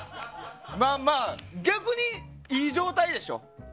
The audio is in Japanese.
まあ、逆にいい状態でしょ。